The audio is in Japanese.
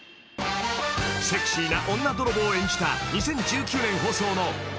［セクシーな女泥棒を演じた２０１９年放送の『ルパンの娘』］